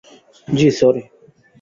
জ্বি, সরি।